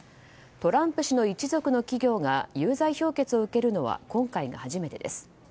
トランプ氏の一族の企業が有罪評決を受けるのは今回が初めてです。